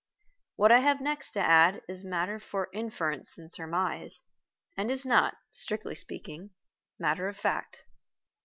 What I have next to add is matter for inference and surmise, and is not, strictly speaking, matter of fact.